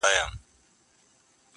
څومره چي يې مينه كړه.